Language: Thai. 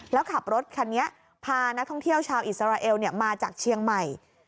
แล้วขับรถคันนี้พานักท่องเที่ยวชาวอิสราเอลมาจากเชียงใหม่